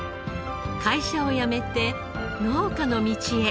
会社を辞めて農家の道へ。